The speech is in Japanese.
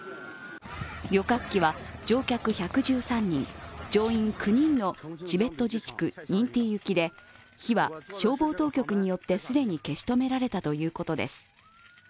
旅客機は、乗客１１３人、乗員９人のチベット自治区ニンティ行きで火は消防当局によって既に消し止められたということです。